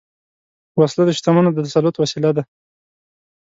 وسله د شتمنو د تسلط وسیله ده